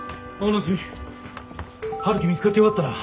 春樹見つかってよかったな。